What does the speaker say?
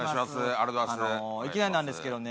あのいきなりなんですけどね